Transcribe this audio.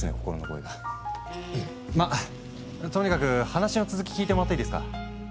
まっとにかく話の続き聞いてもらっていいですか？